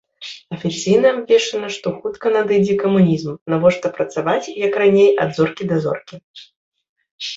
Афіцыйна абвешчана, што хутка надыдзе камунізм, навошта працаваць як раней ад зоркі да зоркі.